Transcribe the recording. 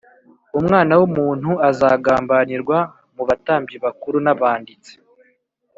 Umwana w’umuntu azagambanirwa mu batambyi bakuru n’abanditsi